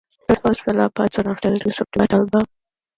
Roadhouse fell apart soon after the release of the debut album.